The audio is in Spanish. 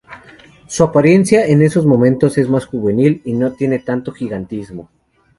Su apariencia en esos momentos es más juvenil y no tiene tanto gigantismo.